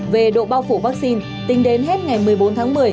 về độ bao phủ vaccine tính đến hết ngày một mươi bốn tháng một mươi